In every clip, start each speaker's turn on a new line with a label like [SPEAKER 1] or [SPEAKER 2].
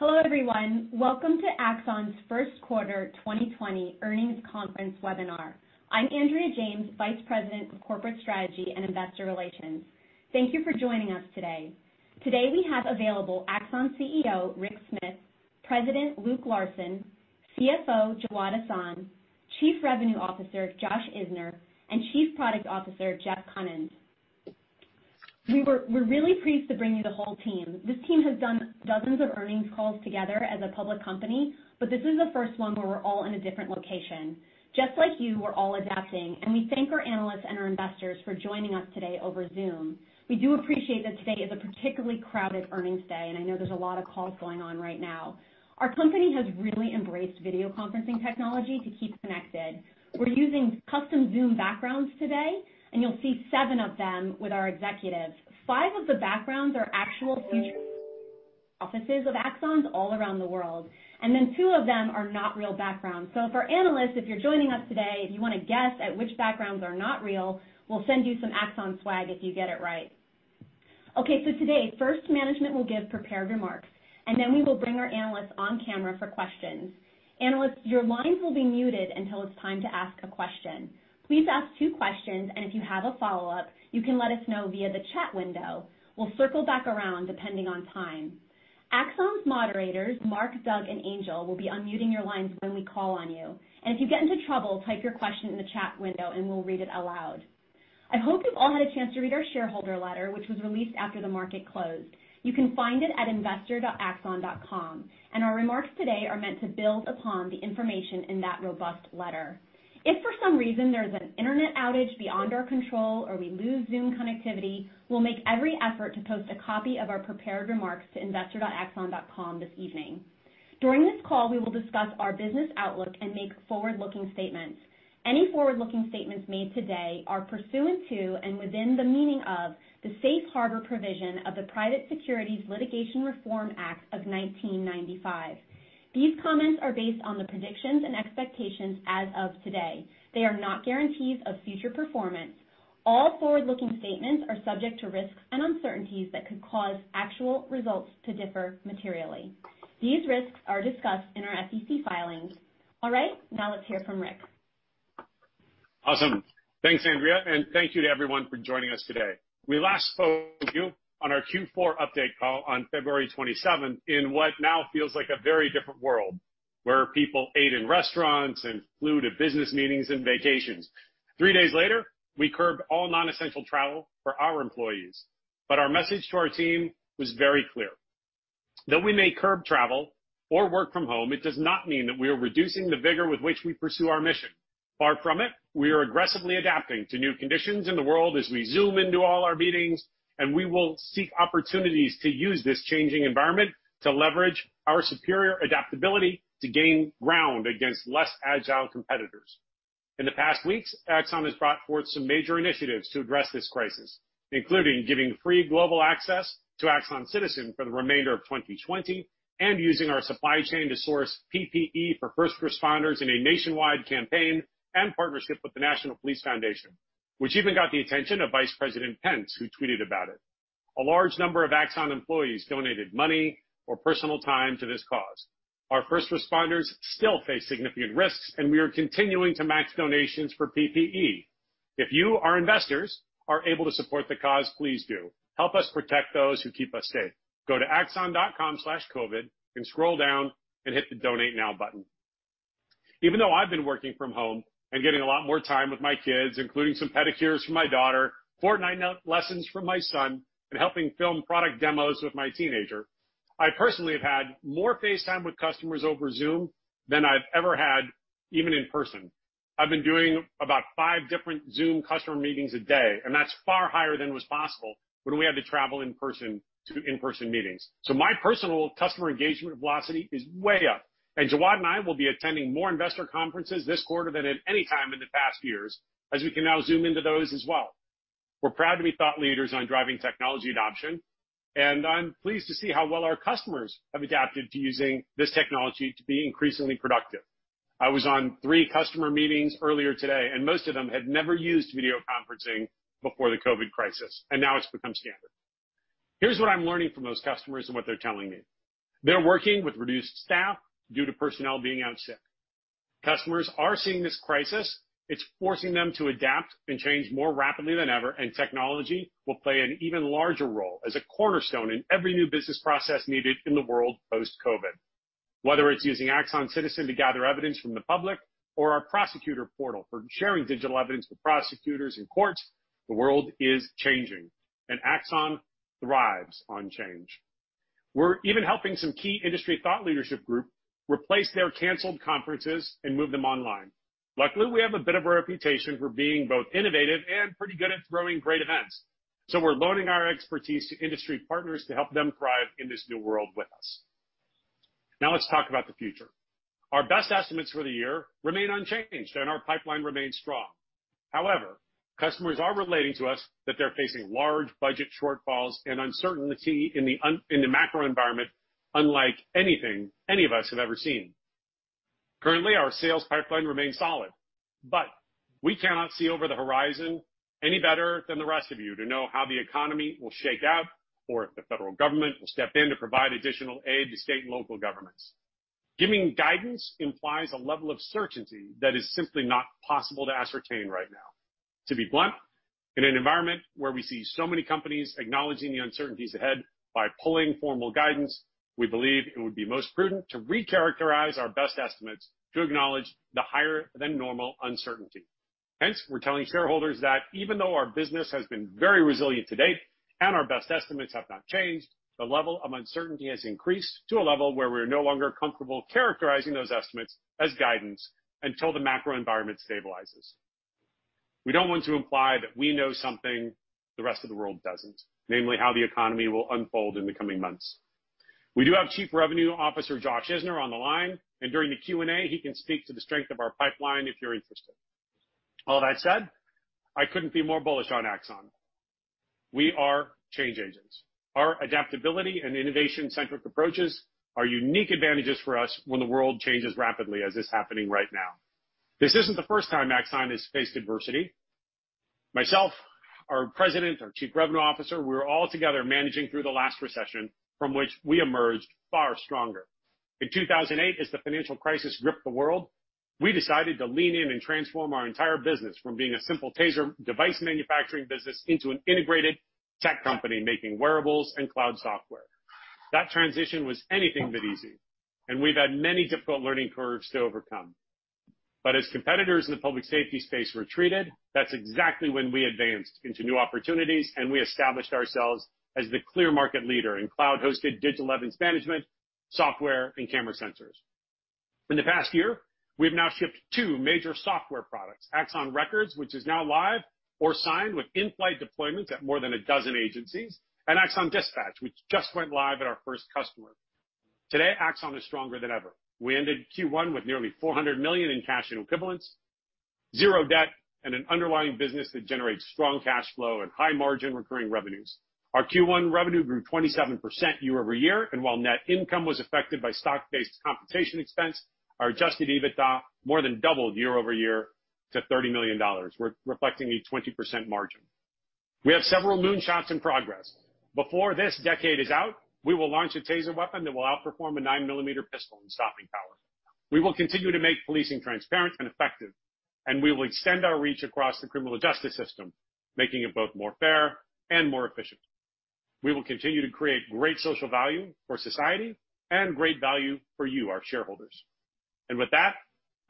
[SPEAKER 1] Hello, everyone. Welcome to Axon's first quarter 2020 earnings conference webinar. I'm Andrea James, Vice President of Corporate Strategy and Investor Relations. Thank you for joining us today. Today, we have available Axon CEO, Rick Smith, President Luke Larson, CFO Jawad Ahsan, Chief Revenue Officer Josh Isner, and Chief Product Officer Jeff Kunins. We're really pleased to bring you the whole team. This team has done dozens of earnings calls together as a public company, but this is the first one where we're all in a different location. Just like you, we're all adapting, and we thank our analysts and our investors for joining us today over Zoom. We do appreciate that today is a particularly crowded earnings day, and I know there's a lot of calls going on right now. Our company has really embraced video conferencing technology to keep connected. We're using custom Zoom backgrounds today, you'll see seven of them with our executives. Five of the backgrounds are actual features offices of Axon's all around the world. Two of them are not real backgrounds. For analysts, if you're joining us today, if you want to guess at which backgrounds are not real, we'll send you some Axon swag if you get it right. Today, first management will give prepared remarks, we will bring our analysts on camera for questions. Analysts, your lines will be muted until it's time to ask a question. Please ask two questions, if you have a follow-up, you can let us know via the chat window. We'll circle back around depending on time. Axon's moderators, Mark, Doug, and Angel, will be unmuting your lines when we call on you. If you get into trouble, type your question in the chat window and we'll read it out loud. I hope you've all had a chance to read our shareholder letter, which was released after the market closed. You can find it at investor.axon.com, and our remarks today are meant to build upon the information in that robust letter. If for some reason there's an internet outage beyond our control or we lose Zoom connectivity, we'll make every effort to post a copy of our prepared remarks to investor.axon.com this evening. During this call, we will discuss our business outlook and make forward-looking statements. Any forward-looking statements made today are pursuant to and within the meaning of the Safe Harbor provision of the Private Securities Litigation Reform Act of 1995. These comments are based on the predictions and expectations as of today. They are not guarantees of future performance. All forward-looking statements are subject to risks and uncertainties that could cause actual results to differ materially. These risks are discussed in our SEC filings. All right, now let's hear from Rick.
[SPEAKER 2] Awesome. Thanks, Andrea. Thank you to everyone for joining us today. We last spoke to you on our Q4 update call on February 27th in what now feels like a very different world, where people ate in restaurants and flew to business meetings and vacations. Three days later, we curbed all non-essential travel for our employees. Our message to our team was very clear. Though we may curb travel or work from home, it does not mean that we are reducing the vigor with which we pursue our mission. Far from it, we are aggressively adapting to new conditions in the world as we Zoom into all our meetings. We will seek opportunities to use this changing environment to leverage our superior adaptability to gain ground against less agile competitors. In the past weeks, Axon has brought forth some major initiatives to address this crisis, including giving free global access to Axon Citizen for the remainder of 2020, and using our supply chain to source PPE for first responders in a nationwide campaign and partnership with the National Police Foundation, which even got the attention of Vice President Pence, who tweeted about it. A large number of Axon employees donated money or personal time to this cause. Our first responders still face significant risks, and we are continuing to match donations for PPE. If you, our investors, are able to support the cause, please do. Help us protect those who keep us safe. Go to axon.com/covid and scroll down and hit the Donate Now button. Even though I've been working from home and getting a lot more time with my kids, including some pedicures from my daughter, Fortnite lessons from my son, and helping film product demos with my teenager, I personally have had more face time with customers over Zoom than I've ever had even in person. I've been doing about five different Zoom customer meetings a day, and that's far higher than was possible when we had to travel in person to in-person meetings. My personal customer engagement velocity is way up. Jawad and I will be attending more investor conferences this quarter than at any time in the past years, as we can now zoom into those as well. We're proud to be thought leaders on driving technology adoption, and I'm pleased to see how well our customers have adapted to using this technology to be increasingly productive. I was on three customer meetings earlier today, and most of them had never used video conferencing before the COVID crisis, and now it's become standard. Here's what I'm learning from those customers and what they're telling me. They're working with reduced staff due to personnel being out sick. Customers are seeing this crisis, it's forcing them to adapt and change more rapidly than ever, and technology will play an even larger role as a cornerstone in every new business process needed in the world post-COVID. Whether it's using Axon Citizen to gather evidence from the public or our prosecutor portal for sharing digital evidence with prosecutors in courts, the world is changing, and Axon thrives on change. We're even helping some key industry thought leadership group replace their canceled conferences and move them online. Luckily, we have a bit of a reputation for being both innovative and pretty good at throwing great events. We're loaning our expertise to industry partners to help them thrive in this new world with us. Let's talk about the future. Our best estimates for the year remain unchanged, and our pipeline remains strong. Customers are relating to us that they're facing large budget shortfalls and uncertainty in the macro environment unlike anything any of us have ever seen. Our sales pipeline remains solid, but we cannot see over the horizon any better than the rest of you to know how the economy will shake out, or if the federal government will step in to provide additional aid to state and local governments. Giving guidance implies a level of certainty that is simply not possible to ascertain right now. To be blunt, in an environment where we see so many companies acknowledging the uncertainties ahead by pulling formal guidance, we believe it would be most prudent to recharacterize our best estimates to acknowledge the higher than normal uncertainty. We're telling shareholders that even though our business has been very resilient to date and our best estimates have not changed, the level of uncertainty has increased to a level where we're no longer comfortable characterizing those estimates as guidance until the macro environment stabilizes. We don't want to imply that we know something the rest of the world doesn't, namely how the economy will unfold in the coming months. We do have Chief Revenue Officer Josh Isner on the line, and during the Q&A, he can speak to the strength of our pipeline if you're interested. All that said, I couldn't be more bullish on Axon. We are change agents. Our adaptability and innovation-centric approaches are unique advantages for us when the world changes rapidly, as is happening right now. This isn't the first time Axon has faced adversity. Myself, our President, our Chief Revenue Officer, we were all together managing through the last recession, from which we emerged far stronger. In 2008, as the financial crisis gripped the world, we decided to lean in and transform our entire business from being a simple TASER device manufacturing business into an integrated tech company making wearables and cloud software. That transition was anything but easy. We've had many difficult learning curves to overcome. As competitors in the public safety space retreated, that's exactly when we advanced into new opportunities, and we established ourselves as the clear market leader in cloud-hosted digital evidence management, software, and camera sensors. In the past year, we've now shipped two major software products, Axon Records, which is now live or signed with in-flight deployments at more than a dozen agencies, and Axon Dispatch, which just went live at our first customer. Today, Axon is stronger than ever. We ended Q1 with nearly $400 million in cash equivalents, zero debt, and an underlying business that generates strong cash flow and high-margin recurring revenues. While net income was affected by stock-based compensation expense, our adjusted EBITDA more than doubled year-over-year to $30 million. We're reflecting a 20% margin. We have several moonshots in progress. Before this decade is out, we will launch a TASER weapon that will outperform a nine-millimeter pistol in stopping power. We will continue to make policing transparent and effective, and we will extend our reach across the criminal justice system, making it both more fair and more efficient. We will continue to create great social value for society and great value for you, our shareholders. With that,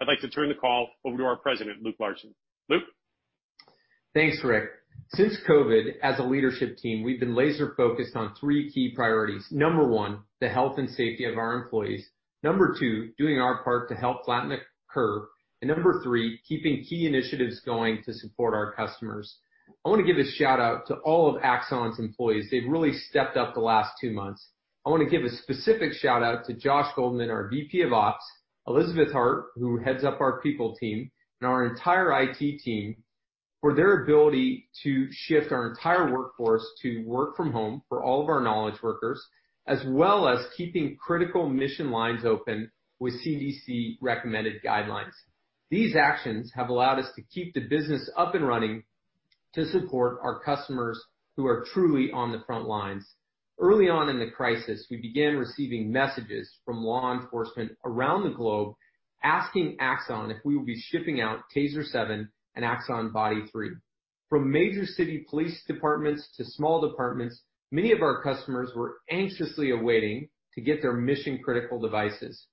[SPEAKER 2] I'd like to turn the call over to our president, Luke Larson. Luke?
[SPEAKER 3] Thanks, Rick. Since COVID, as a leadership team, we've been laser-focused on three key priorities. Number one, the health and safety of our employees. Number two, doing our part to help flatten the curve. Number three, keeping key initiatives going to support our customers. I want to give a shout-out to all of Axon's employees. They've really stepped up the last two months. I want to give a specific shout-out to Josh Goldman, our VP of Ops, Elizabeth Hart, who heads up our People Team, and our entire IT team for their ability to shift our entire workforce to work from home for all of our knowledge workers, as well as keeping critical mission lines open with CDC-recommended guidelines. These actions have allowed us to keep the business up and running to support our customers who are truly on the front lines. Early on in the crisis, we began receiving messages from law enforcement around the globe asking Axon if we will be shipping out TASER 7 and Axon Body 3. From major city police departments to small departments, many of our customers were anxiously awaiting to get their mission-critical devices.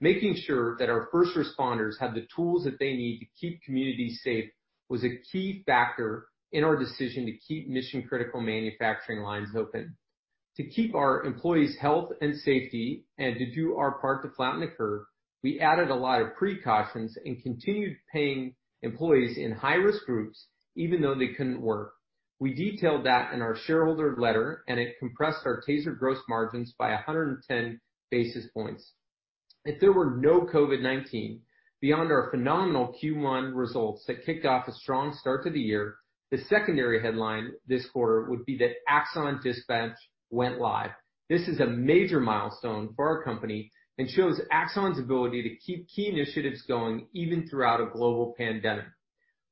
[SPEAKER 3] Making sure that our first responders had the tools that they need to keep communities safe was a key factor in our decision to keep mission-critical manufacturing lines open. To keep our employees' health and safety and to do our part to flatten the curve, we added a lot of precautions and continued paying employees in high-risk groups even though they couldn't work. We detailed that in our shareholder letter, it compressed our TASER gross margins by 110 basis points. If there were no COVID-19, beyond our phenomenal Q1 results that kicked off a strong start to the year, the secondary headline this quarter would be that Axon Dispatch went live. This is a major milestone for our company and shows Axon's ability to keep key initiatives going even throughout a global pandemic.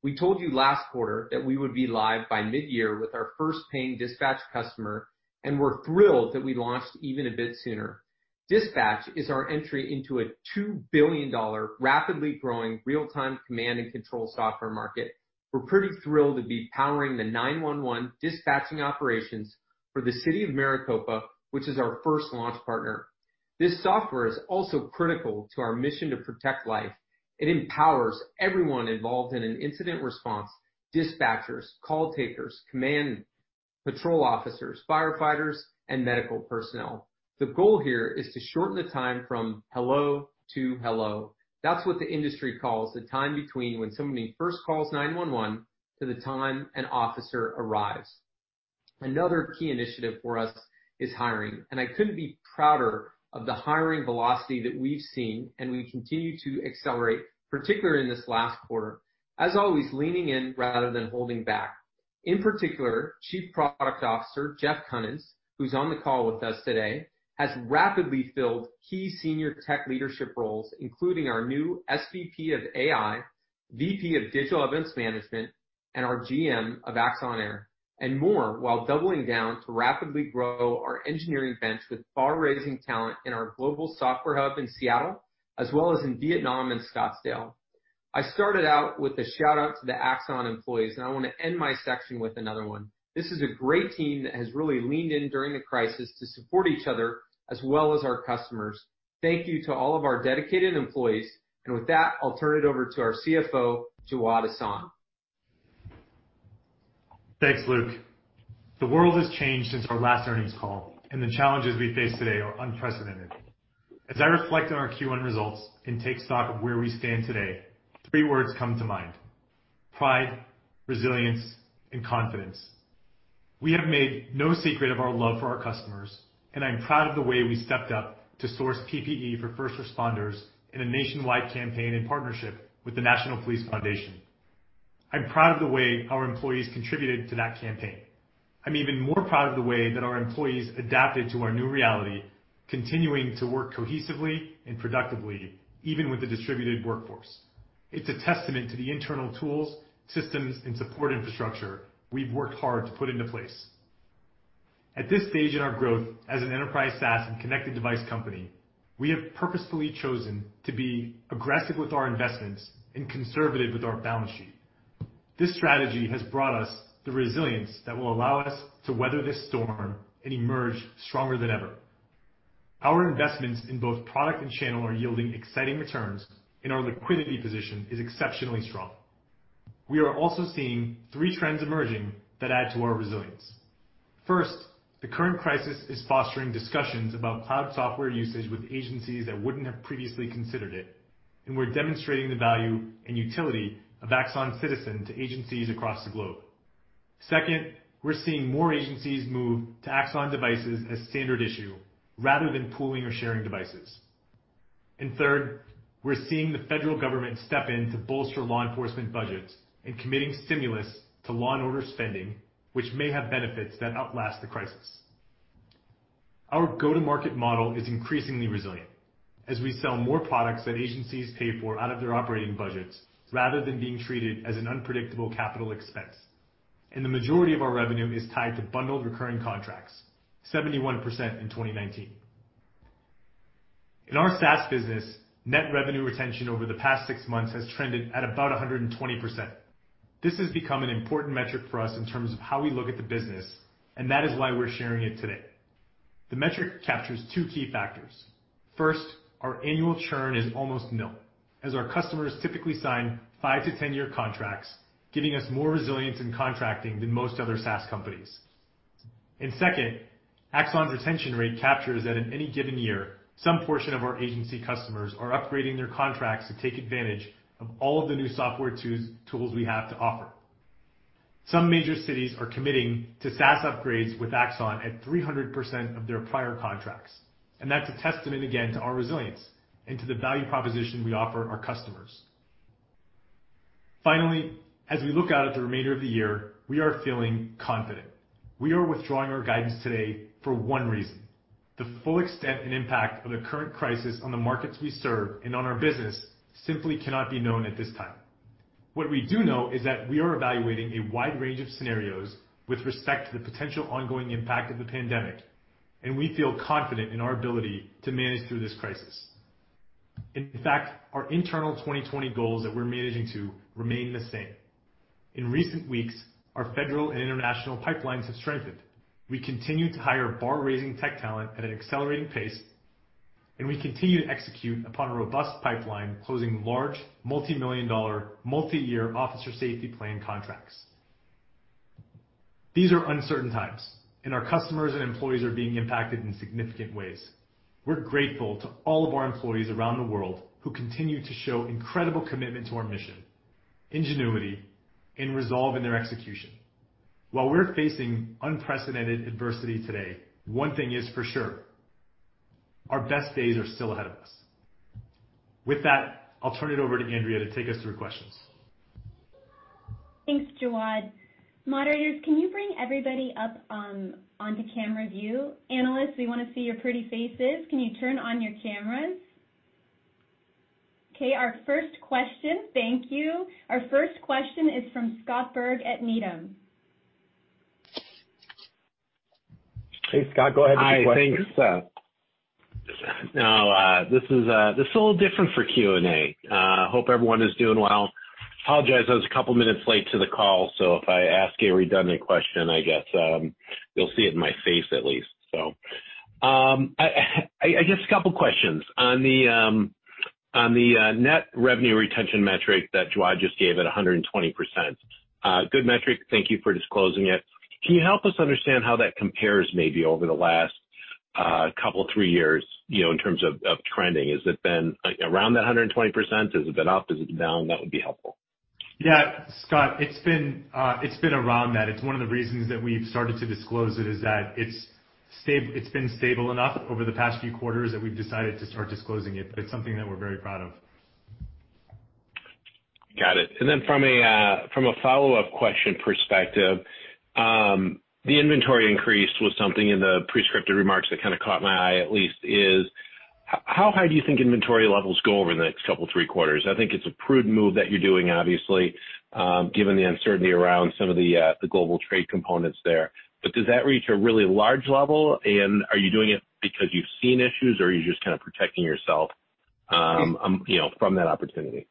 [SPEAKER 3] We told you last quarter that we would be live by mid-year with our first paying Dispatch customer, and we're thrilled that we launched even a bit sooner. Dispatch is our entry into a $2 billion rapidly growing real-time command and control software market. We're pretty thrilled to be powering the 911 dispatching operations for the city of Maricopa, which is our first launch partner. This software is also critical to our mission to protect life. It empowers everyone involved in an incident response, dispatchers, call takers, command, patrol officers, firefighters, and medical personnel. The goal here is to shorten the time from hello to hello. That's what the industry calls the time between when somebody first calls 911 to the time an officer arrives. Another key initiative for us is hiring, and I couldn't be prouder of the hiring velocity that we've seen, and we continue to accelerate, particularly in this last quarter. As always, leaning in rather than holding back. In particular, Chief Product Officer, Jeff Kunins, who's on the call with us today, has rapidly filled key senior tech leadership roles, including our new SVP of AI, VP of Digital Evidence Management, and our GM of Axon Air, and more while doubling down to rapidly grow our engineering bench with bar-raising talent in our global software hub in Seattle, as well as in Vietnam and Scottsdale. I started out with a shout-out to the Axon employees, and I want to end my section with another one. This is a great team that has really leaned in during the crisis to support each other as well as our customers. Thank you to all of our dedicated employees. With that, I'll turn it over to our CFO, Jawad Ahsan.
[SPEAKER 4] Thanks, Luke. The world has changed since our last earnings call, and the challenges we face today are unprecedented. As I reflect on our Q1 results and take stock of where we stand today, three words come to mind: pride, resilience, and confidence. We have made no secret of our love for our customers, and I'm proud of the way we stepped up to source PPE for first responders in a nationwide campaign in partnership with the National Police Foundation. I'm proud of the way our employees contributed to that campaign. I'm even more proud of the way that our employees adapted to our new reality, continuing to work cohesively and productively, even with the distributed workforce. It's a testament to the internal tools, systems, and support infrastructure we've worked hard to put into place. At this stage in our growth as an enterprise SaaS and connected device company, we have purposefully chosen to be aggressive with our investments and conservative with our balance sheet. This strategy has brought us the resilience that will allow us to weather this storm and emerge stronger than ever. Our investments in both product and channel are yielding exciting returns, and our liquidity position is exceptionally strong. We are also seeing three trends emerging that add to our resilience. First, the current crisis is fostering discussions about cloud software usage with agencies that wouldn't have previously considered it, and we're demonstrating the value and utility of Axon Citizen to agencies across the globe. Second, we're seeing more agencies move to Axon devices as standard issue rather than pooling or sharing devices. Third, we're seeing the federal government step in to bolster law enforcement budgets and committing stimulus to law and order spending, which may have benefits that outlast the crisis. Our go-to-market model is increasingly resilient as we sell more products that agencies pay for out of their operating budgets rather than being treated as an unpredictable capital expense. The majority of our revenue is tied to bundled recurring contracts, 71% in 2019. In our SaaS business, net revenue retention over the past six months has trended at about 120%. This has become an important metric for us in terms of how we look at the business, and that is why we're sharing it today. The metric captures two key factors. First, our annual churn is almost nil, as our customers typically sign 5-10-year contracts, giving us more resilience in contracting than most other SaaS companies. Second, Axon's retention rate captures that in any given year, some portion of our agency customers are upgrading their contracts to take advantage of all of the new software tools we have to offer. Some major cities are committing to SaaS upgrades with Axon at 300% of their prior contracts, and that's a testament again to our resilience and to the value proposition we offer our customers. Finally, as we look out at the remainder of the year, we are feeling confident. We are withdrawing our guidance today for one reason. The full extent and impact of the current crisis on the markets we serve and on our business simply cannot be known at this time. What we do know is that we are evaluating a wide range of scenarios with respect to the potential ongoing impact of the pandemic, and we feel confident in our ability to manage through this crisis. In fact, our internal 2020 goals that we're managing to remain the same. In recent weeks, our federal and international pipelines have strengthened. We continue to hire bar-raising tech talent at an accelerating pace, and we continue to execute upon a robust pipeline closing large, multi-million dollar, multi-year officer safety plan contracts. These are uncertain times, and our customers and employees are being impacted in significant ways. We're grateful to all of our employees around the world who continue to show incredible commitment to our mission, ingenuity, and resolve in their execution. While we're facing unprecedented adversity today, one thing is for sure, our best days are still ahead of us. With that, I'll turn it over to Andrea to take us through questions.
[SPEAKER 1] Thanks, Jawad. Moderators, can you bring everybody up onto camera view? Analysts, we want to see your pretty faces. Can you turn on your cameras? Okay, our first question. Thank you. Our first question is from Scott Berg at Needham.
[SPEAKER 3] Hey, Scott, go ahead with your question.
[SPEAKER 5] Hi. Thanks. Now, this is a little different for Q&A. Hope everyone is doing well. I apologize, I was a couple minutes late to the call, so if I ask a redundant question, I guess you'll see it in my face at least. I guess a couple questions. On the net revenue retention metric that Jawad just gave at 120%. Good metric. Thank you for disclosing it. Can you help us understand how that compares maybe over the last couple, three years, in terms of trending? Has it been around that 120%? Has it been up? Is it down? That would be helpful.
[SPEAKER 4] Yeah, Scott, it's been around that. It's one of the reasons that we've started to disclose it is that it's been stable enough over the past few quarters that we've decided to start disclosing it, but it's something that we're very proud of.
[SPEAKER 5] Got it. Then from a follow-up question perspective, the inventory increase was something in the pre-scripted remarks that kind of caught my eye, at least, is how high do you think inventory levels go over the next couple, three quarters? I think it's a prudent move that you're doing, obviously, given the uncertainty around some of the global trade components there. Does that reach a really large level? Are you doing it because you've seen issues, or are you just kind of protecting yourself from that opportunity?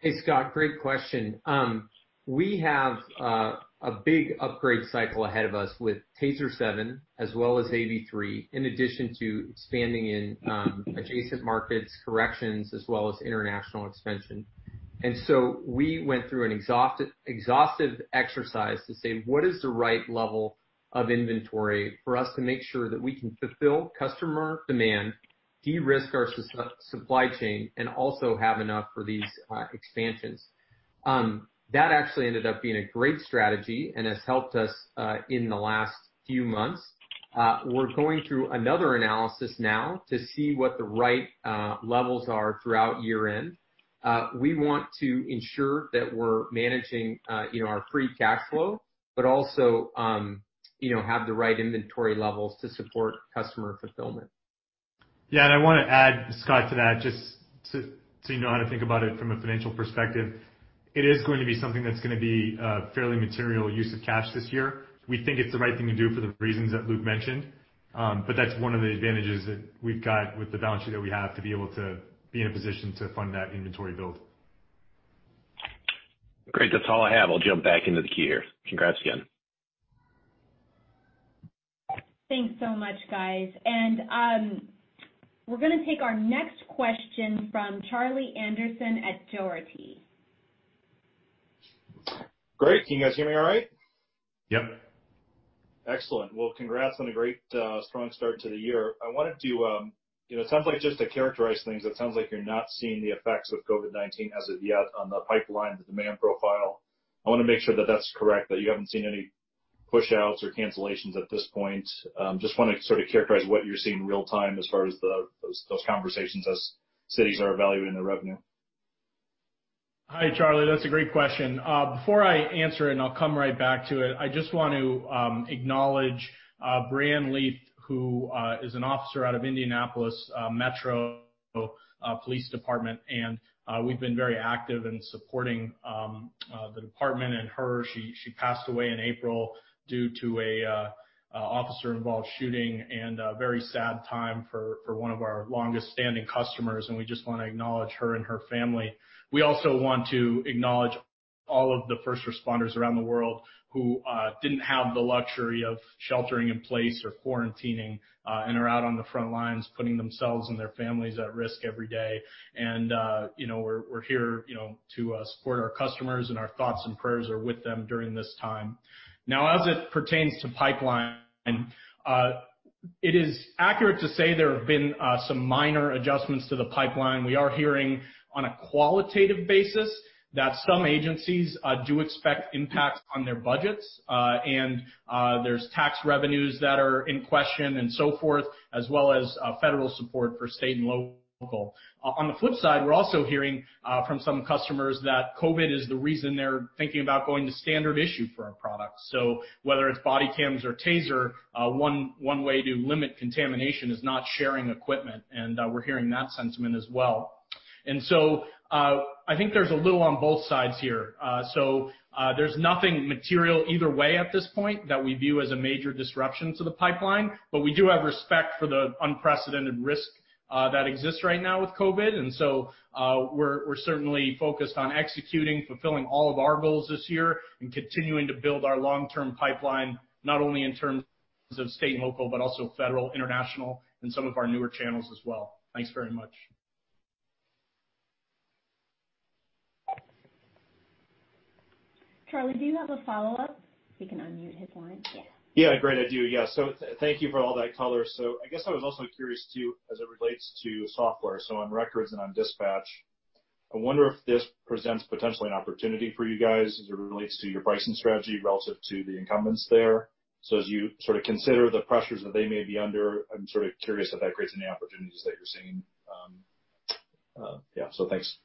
[SPEAKER 3] Hey, Scott, great question. We have a big upgrade cycle ahead of us with TASER 7 as well as AB3, in addition to expanding in adjacent markets, corrections, as well as international expansion. We went through an exhaustive exercise to say, what is the right level of inventory for us to make sure that we can fulfill customer demand, de-risk our supply chain, and also have enough for these expansions. That actually ended up being a great strategy and has helped us in the last few months. We're going through another analysis now to see what the right levels are throughout year-end. We want to ensure that we're managing our free cash flow, but also have the right inventory levels to support customer fulfillment.
[SPEAKER 2] Yeah, I want to add, Scott, to that, just so you know how to think about it from a financial perspective. It is going to be something that's going to be a fairly material use of cash this year. We think it's the right thing to do for the reasons that Luke mentioned. That's one of the advantages that we've got with the balance sheet that we have to be able to be in a position to fund that inventory build.
[SPEAKER 5] Great. That's all I have. I'll jump back into the queue here. Congrats again.
[SPEAKER 1] Thanks so much, guys. We're going to take our next question from Charlie Anderson at Dougherty.
[SPEAKER 6] Great. Can you guys hear me all right?
[SPEAKER 5] Yep.
[SPEAKER 6] Excellent. Well, congrats on a great strong start to the year. It sounds like just to characterize things, it sounds like you're not seeing the effects of COVID-19 as of yet on the pipeline, the demand profile. I want to make sure that that's correct, that you haven't seen any pushouts or cancellations at this point. Just want to sort of characterize what you're seeing real-time as far as those conversations as cities are evaluating their revenue.
[SPEAKER 7] Hi, Charlie. That's a great question. Before I answer it, and I'll come right back to it, I just want to acknowledge Breann Leath, who is an officer out of Indianapolis Metropolitan Police Department, and we've been very active in supporting the department and her. She passed away in April due to an officer-involved shooting and a very sad time for one of our longest-standing customers, and we just want to acknowledge her and her family. We also want to acknowledge all of the first responders around the world who didn't have the luxury of sheltering in place or quarantining and are out on the front lines, putting themselves and their families at risk every day. We're here to support our customers, and our thoughts and prayers are with them during this time. Now, as it pertains to pipeline, it is accurate to say there have been some minor adjustments to the pipeline. We are hearing on a qualitative basis that some agencies do expect impacts on their budgets. There's tax revenues that are in question, and so forth, as well as federal support for state and local. On the flip side, we're also hearing from some customers that COVID is the reason they're thinking about going to standard issue for our products. Whether it's body cams or TASER, one way to limit contamination is not sharing equipment, and we're hearing that sentiment as well. I think there's a little on both sides here. There's nothing material either way at this point that we view as a major disruption to the pipeline. We do have respect for the unprecedented risk that exists right now with COVID. We're certainly focused on executing, fulfilling all of our goals this year, and continuing to build our long-term pipeline, not only in terms of state and local, but also federal, international, and some of our newer channels as well. Thanks very much.
[SPEAKER 1] Charlie, do you have a follow-up? He can unmute his line. Yeah.
[SPEAKER 6] Yeah, great. I do. Yeah. Thank you for all that color. I guess I was also curious, too, as it relates to software, so on records and on dispatch. I wonder if this presents potentially an opportunity for you guys as it relates to your pricing strategy relative to the incumbents there. As you sort of consider the pressures that they may be under, I'm sort of curious if that creates any opportunities that you're seeing. Yeah, so thanks.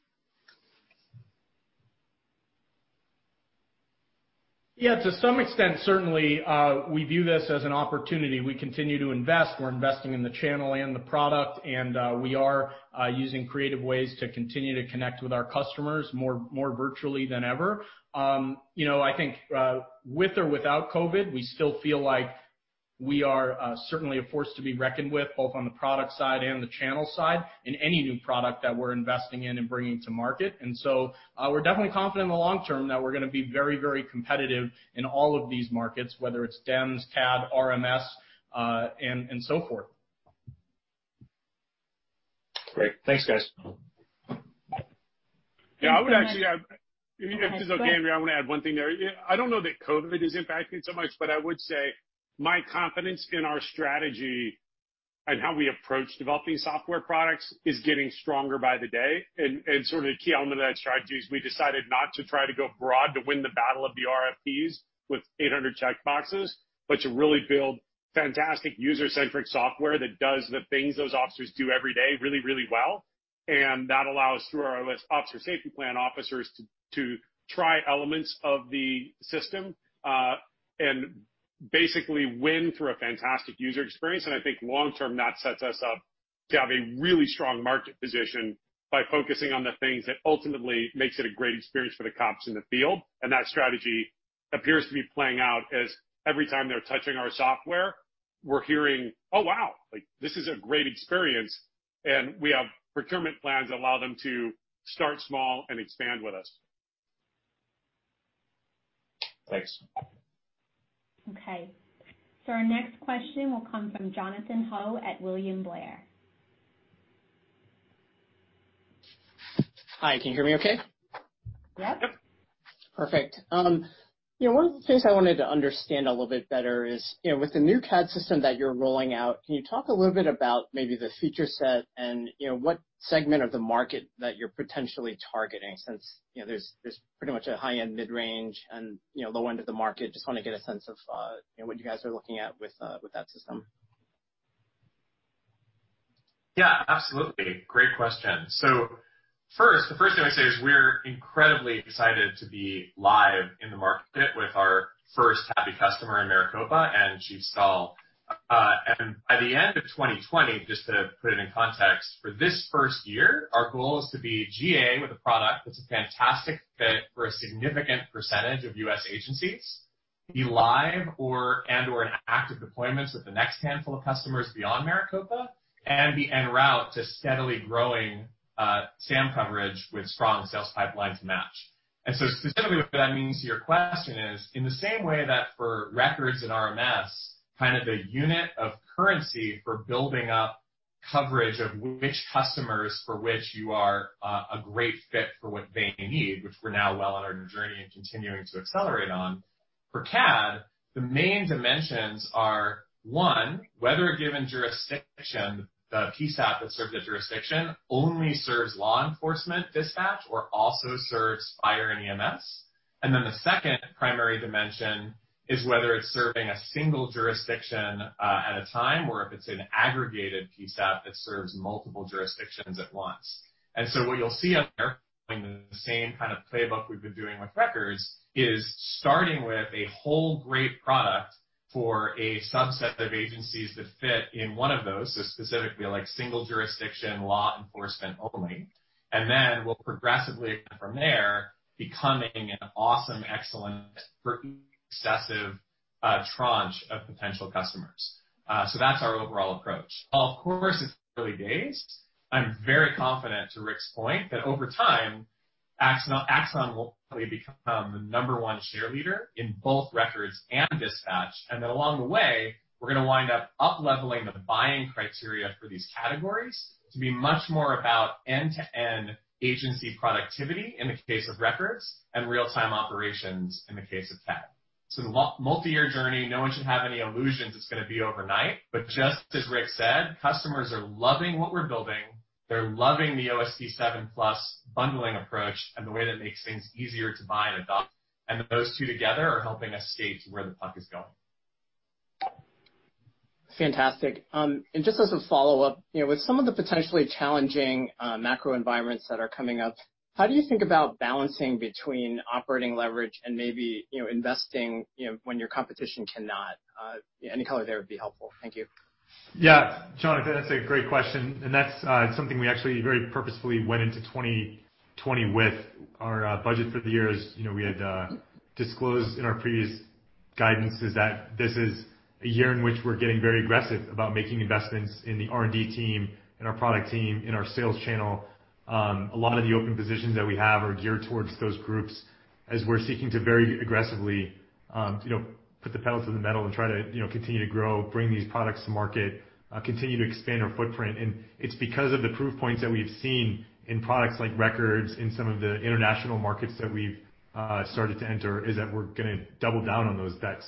[SPEAKER 7] Yeah, to some extent, certainly, we view this as an opportunity. We continue to invest. We're investing in the channel and the product, and we are using creative ways to continue to connect with our customers more virtually than ever. I think with or without COVID, we still feel like we are certainly a force to be reckoned with, both on the product side and the channel side, in any new product that we're investing in and bringing to market. we're definitely confident in the long term that we're going to be very competitive in all of these markets, whether it's DEMS, CAD, RMS, and so forth.
[SPEAKER 6] Great. Thanks, guys.
[SPEAKER 2] Yeah, I would actually add.
[SPEAKER 1] Go ahead.
[SPEAKER 2] If it's okay, Andrea, I want to add one thing there. I don't know that COVID is impacting so much, but I would say my confidence in our strategy and how we approach developing software products is getting stronger by the day. Sort of the key element of that strategy is we decided not to try to go broad to win the battle of the RFPs with 800 checkboxes, but to really build fantastic user-centric software that does the things those officers do every day really well. That allows, through our Officer Safety Plan, officers to try elements of the system, and basically win through a fantastic user experience. I think long-term, that sets us up to have a really strong market position by focusing on the things that ultimately makes it a great experience for the cops in the field. That strategy appears to be playing out as every time they're touching our software, we're hearing, "Oh, wow, this is a great experience." We have procurement plans that allow them to start small and expand with us.
[SPEAKER 6] Thanks.
[SPEAKER 1] Okay. Our next question will come from Jonathan Ho at William Blair.
[SPEAKER 8] Hi, can you hear me okay?
[SPEAKER 1] Yep.
[SPEAKER 2] Yep.
[SPEAKER 8] Perfect. One of the things I wanted to understand a little bit better is, with the new CAD system that you're rolling out, can you talk a little bit about maybe the feature set and what segment of the market that you're potentially targeting since there's pretty much a high-end, mid-range, and low-end of the market? Just want to get a sense of what you guys are looking at with that system.
[SPEAKER 9] Yeah, absolutely. Great question. the first thing I'd say is we're incredibly excited to be live in the market with our first happy customer in Maricopa and Steve Stahl. by the end of 2020, just to put it in context, for this first year, our goal is to be GA with a product that's a fantastic fit for a significant percentage of U.S. agencies, be live and/or in active deployments with the next handful of customers beyond Maricopa, and be en route to steadily growing SAM coverage with strong sales pipeline to match. specifically, what that means to your question is, in the same way that for records in RMS, kind of the unit of currency for building up coverage of which customers for which you are a great fit for what they need, which we're now well on our journey and continuing to accelerate on. For CAD, the main dimensions are, one, whether a given jurisdiction, the PSAP that serves the jurisdiction, only serves law enforcement dispatch or also serves fire and EMS. The second primary dimension is whether it's serving a single jurisdiction at a time, or if it's an aggregated PSAP that serves multiple jurisdictions at once. What you'll see us doing the same kind of playbook we've been doing with records is starting with a whole great product for a subset of agencies that fit in one of those. Specifically like single jurisdiction, law enforcement only. We'll progressively from there becoming an awesome, excellent, extensive tranche of potential customers. That's our overall approach. Of course, it's early days. I'm very confident, to Rick's point, that over time, Axon will probably become the number one share leader in both records and dispatch. Along the way, we're going to wind up-leveling the buying criteria for these categories to be much more about end-to-end agency productivity in the case of records and real-time operations in the case of CAD. It's a multi-year journey. No one should have any illusions it's going to be overnight, but just as Rick said, customers are loving what we're building. They're loving the OSP7+ bundling approach and the way that makes things easier to buy and adopt. Those two together are helping us skate to where the puck is going.
[SPEAKER 8] Fantastic. Just as a follow-up, with some of the potentially challenging macro environments that are coming up, how do you think about balancing between operating leverage and maybe investing when your competition cannot? Any color there would be helpful. Thank you.
[SPEAKER 2] Yeah. Jonathan, that's a great question, and that's something we actually very purposefully went into 2020 with. Our budget for the year, as we had disclosed in our previous guidance, is that this is a year in which we're getting very aggressive about making investments in the R&D team, in our product team, in our sales channel. A lot of the open positions that we have are geared towards those groups as we're seeking to very aggressively put the pedal to the metal and try to continue to grow, bring these products to market, continue to expand our footprint. it's because of the proof points that we've seen in products like Records in some of the international markets that we've started to enter, is that we're going to double down on those bets.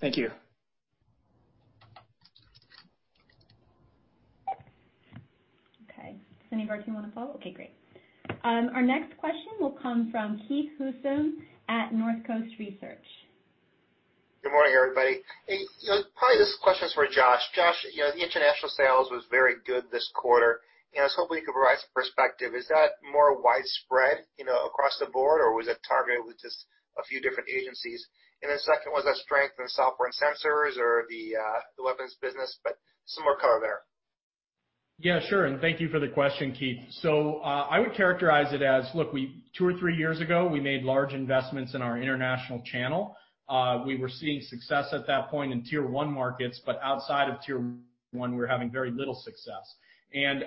[SPEAKER 8] Thank you.
[SPEAKER 1] Okay. Does any of our team want to follow up? Okay, great. Our next question will come from Keith Housum at Northcoast Research.
[SPEAKER 10] Good morning, everybody. Probably this question is for Josh. Josh, the international sales was very good this quarter, and I was hoping you could provide some perspective. Is that more widespread across the board, or was it targeted with just a few different agencies? Second, was that strength in software and sensors or the weapons business, but some more color there.
[SPEAKER 7] Yeah, sure, and thank you for the question, Keith. I would characterize it as, look, two or three years ago, we made large investments in our international channel. We were seeing success at that point in tier 1 markets, but outside of tier 1, we were having very little success.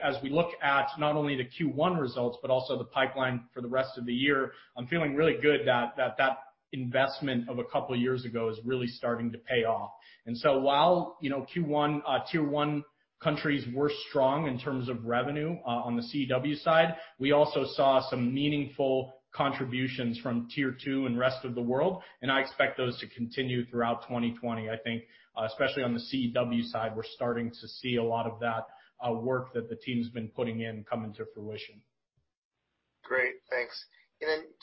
[SPEAKER 7] As we look at not only the Q1 results, but also the pipeline for the rest of the year, I'm feeling really good that that investment of a couple of years ago is really starting to pay off. While tier 1 countries were strong in terms of revenue on the CEW side, we also saw some meaningful contributions from tier 2 and rest of the world, and I expect those to continue throughout 2020.
[SPEAKER 2] I think especially on the CEW side, we're starting to see a lot of that work that the team's been putting in coming to fruition.
[SPEAKER 10] Great. Thanks.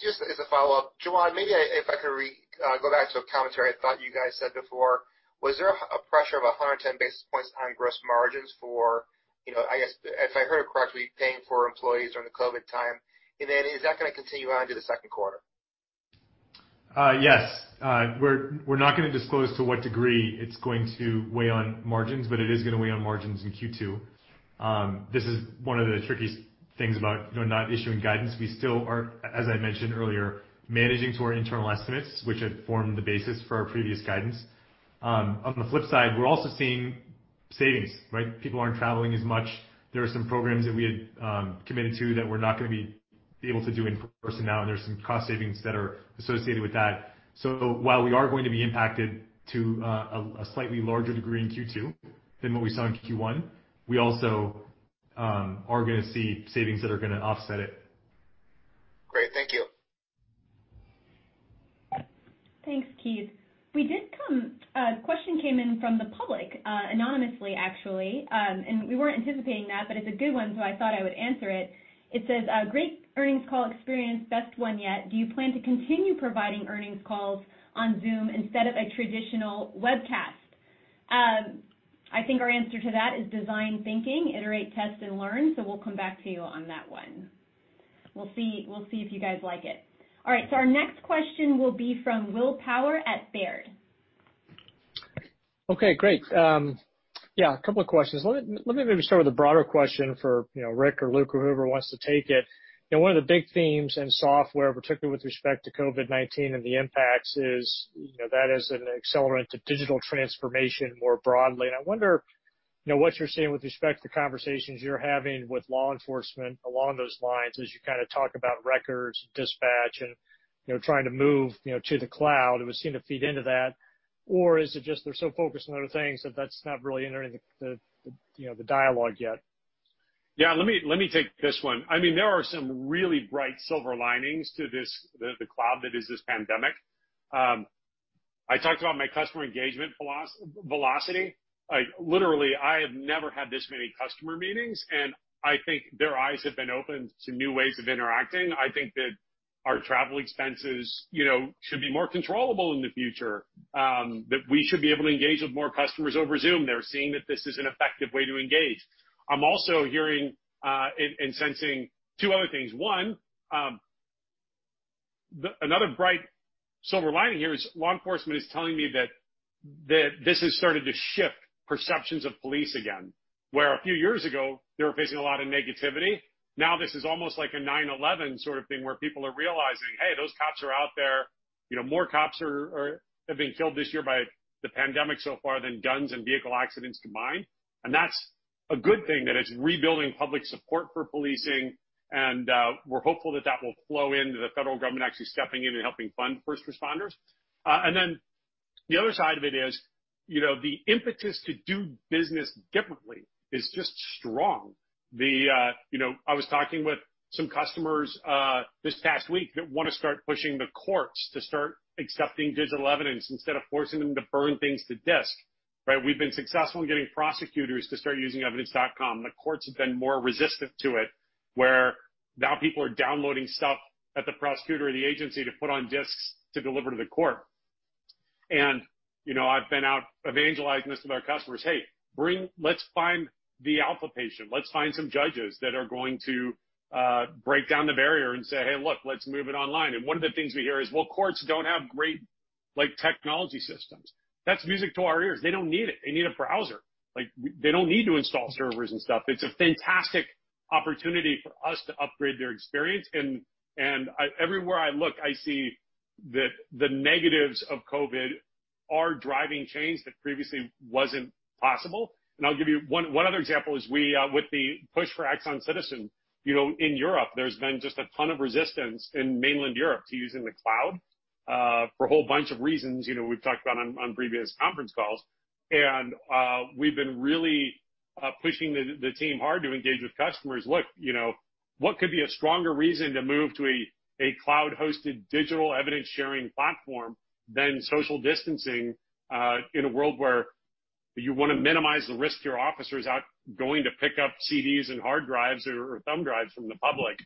[SPEAKER 10] just as a follow-up, Jawad, maybe if I could go back to a commentary I thought you guys said before, was there a pressure of 110 basis points on gross margins for, if I heard it correctly, paying for employees during the COVID time? Is that going to continue on into the second quarter?
[SPEAKER 4] Yes. We're not going to disclose to what degree it's going to weigh on margins, but it is going to weigh on margins in Q2. This is one of the trickiest things about not issuing guidance. We still are, as I mentioned earlier, managing to our internal estimates, which had formed the basis for our previous guidance. On the flip side, we're also seeing savings, right? People aren't traveling as much. There are some programs that we had committed to that we're not going to be able to do in-person now, and there's some cost savings that are associated with that. While we are going to be impacted to a slightly larger degree in Q2 than what we saw in Q1, we also are going to see savings that are going to offset it.
[SPEAKER 10] Great. Thank you.
[SPEAKER 1] Thanks, Keith. A question came in from the public, anonymously, actually, and we weren't anticipating that, but it's a good one, so I thought I would answer it. It says, "Great earnings call experience. Best one yet. Do you plan to continue providing earnings calls on Zoom instead of a traditional webcast?" I think our answer to that is design thinking, iterate, test, and learn. We'll come back to you on that one. We'll see if you guys like it. All right, our next question will be from William Power at Baird.
[SPEAKER 11] Okay, great. Yeah, a couple of questions. Let me maybe start with a broader question for Rick or Luke or whoever wants to take it. One of the big themes in software, particularly with respect to COVID-19 and the impacts, is that as an accelerant to digital transformation more broadly, and I wonder what you're seeing with respect to conversations you're having with law enforcement along those lines as you kind of talk about records and dispatch and trying to move to the cloud, it would seem to feed into that. Is it just they're so focused on other things that that's not really entering the dialogue yet?
[SPEAKER 2] Yeah, let me take this one. There are some really bright silver linings to the cloud that is this pandemic. I talked about my customer engagement velocity. Literally, I have never had this many customer meetings, and I think their eyes have been opened to new ways of interacting. I think that our travel expenses should be more controllable in the future, that we should be able to engage with more customers over Zoom. They're seeing that this is an effective way to engage. I'm also hearing and sensing two other things. One, another bright silver lining here is law enforcement is telling me that this has started to shift perceptions of police again, where a few years ago, they were facing a lot of negativity. Now, this is almost like a nine or 11 sort of thing where people are realizing, "Hey, those cops are out there." More cops have been killed this year by the pandemic so far than guns and vehicle accidents combined. That's a good thing, that it's rebuilding public support for policing, and we're hopeful that that will flow into the federal government actually stepping in and helping fund first responders. The other side of it is, the impetus to do business differently is just strong. I was talking with some customers this past week that want to start pushing the courts to start accepting digital evidence instead of forcing them to burn things to disk, right? We've been successful in getting prosecutors to start using evidence.com. The courts have been more resistant to it, where now people are downloading stuff at the prosecutor or the agency to put on disks to deliver to the court. I've been out evangelizing this with our customers, "Hey, let's find the alpha patient. Let's find some judges that are going to break down the barrier and say, 'Hey, look, let's move it online.'" One of the things we hear is, "Well, courts don't have great technology systems." That's music to our ears. They don't need it. They need a browser. They don't need to install servers and stuff. It's a fantastic opportunity for us to upgrade their experience, and everywhere I look, I see that the negatives of COVID are driving change that previously wasn't possible. I'll give you one other example is with the push for Axon Citizen. In Europe, there's been just a ton of resistance in mainland Europe to using the cloud for a whole bunch of reasons we've talked about on previous conference calls. We've been really pushing the team hard to engage with customers. Look, what could be a stronger reason to move to a cloud-hosted digital evidence-sharing platform than social distancing in a world where you want to minimize the risk to your officers out going to pick up CDs and hard drives or thumb drives from the public?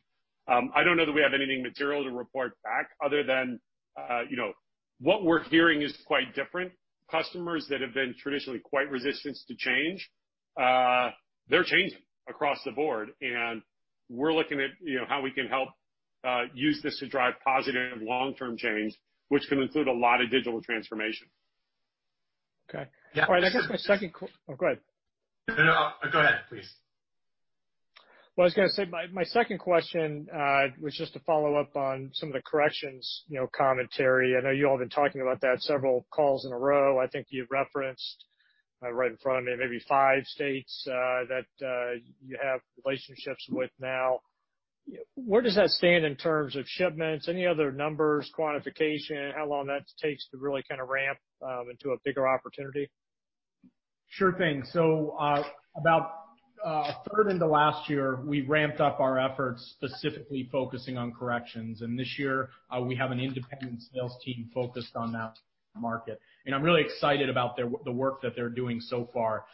[SPEAKER 2] I don't know that we have anything material to report back other than what we're hearing is quite different. Customers that have been traditionally quite resistant to change, they're changing across the board, and we're looking at how we can help use this to drive positive long-term change, which can include a lot of digital transformation.
[SPEAKER 11] Okay. All right. I guess oh, go ahead.
[SPEAKER 2] No, go ahead, please.
[SPEAKER 11] Well, I was going to say, my second question was just to follow up on some of the corrections commentary. I know you all have been talking about that several calls in a row. I think you've referenced, right in front of me, maybe five states that you have relationships with now. Where does that stand in terms of shipments? Any other numbers, quantification, how long that takes to really kind of ramp into a bigger opportunity?
[SPEAKER 7] Sure thing. About a third into last year, we ramped up our efforts specifically focusing on corrections. This year, we have an independent sales team focused on that market. I'm really excited about the work that they're doing so far.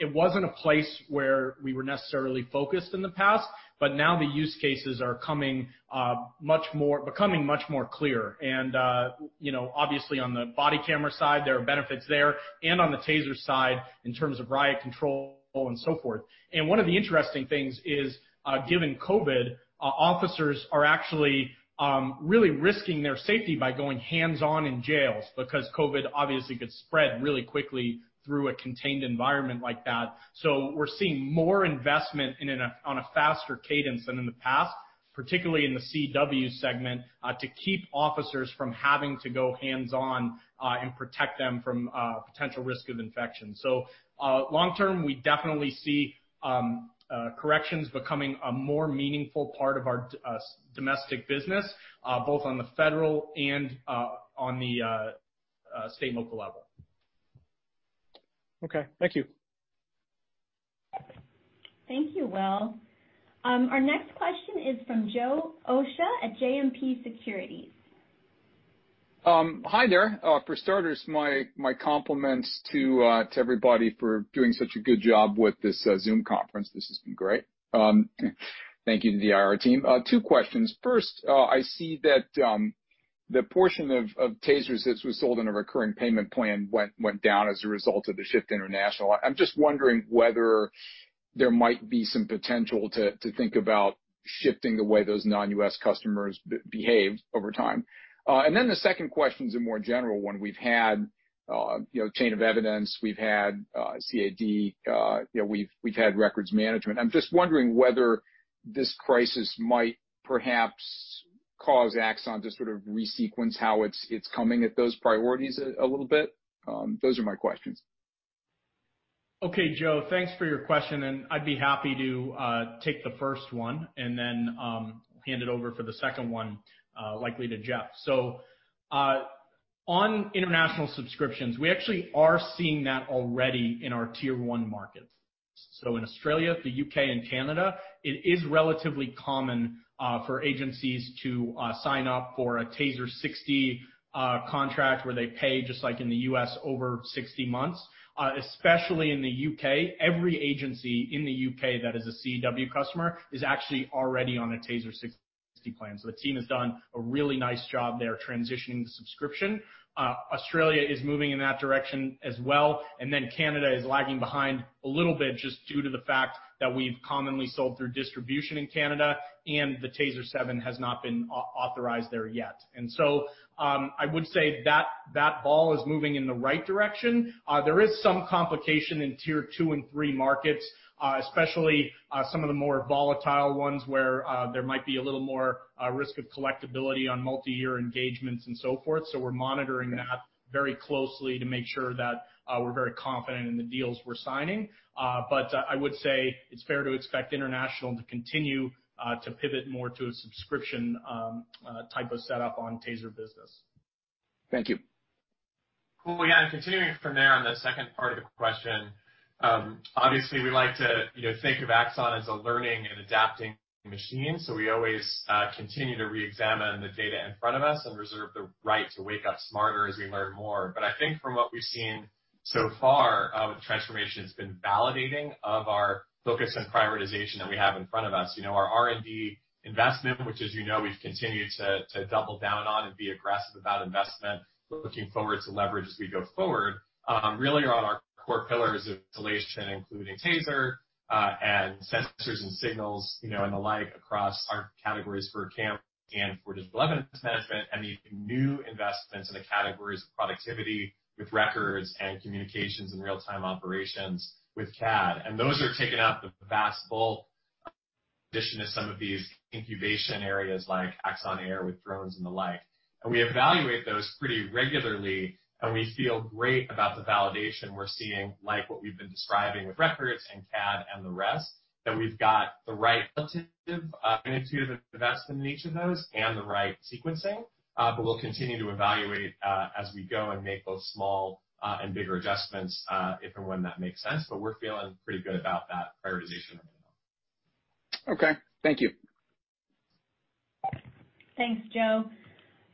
[SPEAKER 7] It wasn't a place where we were necessarily focused in the past, but now the use cases are becoming much more clear. Obviously on the body camera side, there are benefits there, and on the TASER side in terms of riot control and so forth. One of the interesting things is, given COVID, officers are actually really risking their safety by going hands-on in jails because COVID obviously could spread really quickly through a contained environment like that. We're seeing more investment on a faster cadence than in the past, particularly in the CEW segment, to keep officers from having to go hands-on and protect them from potential risk of infection. Long term, we definitely see corrections becoming a more meaningful part of our domestic business, both on the federal and on the state and local level.
[SPEAKER 11] Okay. Thank you.
[SPEAKER 1] Thank you, Will. Our next question is from Joseph Osha at JMP Securities.
[SPEAKER 12] Hi there. For starters, my compliments to everybody for doing such a good job with this Zoom conference. This has been great. Thank you to the IR team. Two questions. First, I see that the portion of TASERs that was sold on a recurring payment plan went down as a result of the shift to international. I'm just wondering whether there might be some potential to think about shifting the way those non-U.S. customers behave over time. The second question is a more general one. We've had chain of evidence. We've had CAD. We've had records management. I'm just wondering whether this crisis might perhaps cause Axon to resequence how it's coming at those priorities a little bit. Those are my questions.
[SPEAKER 7] Okay, Joe, thanks for your question, and I'd be happy to take the first one and then hand it over for the second one, likely to Jeff. on international subscriptions, we actually are seeing that already in our tier 1 markets. in Australia, the U.K., and Canada, it is relatively common for agencies to sign up for a TASER 60 contract where they pay, just like in the U.S., over 60 months. Especially in the U.K., every agency in the U.K. that is a CEW customer is actually already on a TASER 60 plan. the team has done a really nice job there transitioning to subscription. Australia is moving in that direction as well. Canada is lagging behind a little bit just due to the fact that we've commonly sold through distribution in Canada and the TASER 7 has not been authorized there yet. I would say that ball is moving in the right direction. There is some complication in tier 2 and 3 markets, especially some of the more volatile ones where there might be a little more risk of collectability on multi-year engagements and so forth. we're monitoring that very closely to make sure that we're very confident in the deals we're signing. I would say it's fair to expect international to continue to pivot more to a subscription type of setup on TASER business.
[SPEAKER 12] Thank you.
[SPEAKER 9] Cool. Yeah, continuing from there on the second part of the question. Obviously, we like to think of Axon as a learning and adapting machine. We always continue to reexamine the data in front of us and reserve the right to wake up smarter as we learn more. I think from what we've seen so far, the transformation has been validating of our focus on prioritization that we have in front of us. Our R&D investment, which as you know we've continued to double down on and be aggressive about investment, we're looking forward to leverage as we go forward. Really on our core pillars of installation, including TASER and sensors and signals and the like across our categories for CAM and for discipline management and the new investments in the categories of productivity with records and communications and real-time operations with CAD. Those are taking up the vast bulk in addition to some of these incubation areas like Axon Air with drones and the like. We evaluate those pretty regularly, and we feel great about the validation we're seeing, like what we've been describing with records and CAD and the rest, that we've got the right relative magnitude of investment in each of those and the right sequencing. We'll continue to evaluate as we go and make both small and bigger adjustments if and when that makes sense. We're feeling pretty good about that prioritization right now.
[SPEAKER 12] Okay. Thank you.
[SPEAKER 1] Thanks, Joe.